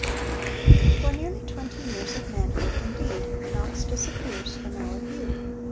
For nearly twenty years of manhood, indeed, Knox disappears from our view.